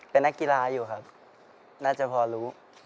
เป็นนักกีฬาอยู่ครับน่าจะพอรู้